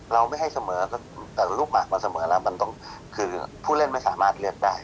เราไม่ให้เสมอแต่ลูกหมากมาเสมอแล้วมันต้องคือผู้เล่นไม่สามารถเลือกได้